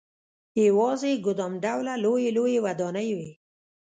یوازې ګدام ډوله لويې لويې ودانۍ وې.